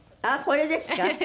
あっこれですか？